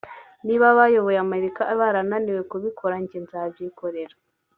niba abayoboye Amerika bararaniwe kubikora njye nzabyikorera